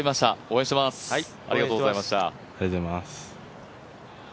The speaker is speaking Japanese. ありがとうございます。